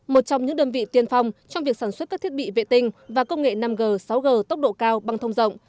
một trong những đơn vị tiên phong trong việc sản xuất các thiết bị vệ tinh và công nghệ năm g sáu g tốc độ cao bằng thông rộng